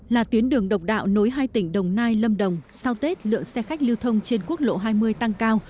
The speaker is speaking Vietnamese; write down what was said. là tuyến đường độc đạo nối hai tỉnh đồng nai lâm đồng sau tết lượng xe khách lưu thông trên quốc lộ hai mươi tăng cao